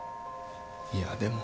いやでも。